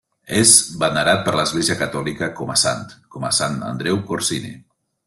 És venerat per l'Església catòlica com a sant, com a Sant Andreu Corsini.